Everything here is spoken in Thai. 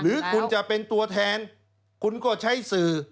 หรือคุณจะเป็นตัวแทนคุณก็ใช้สื่อ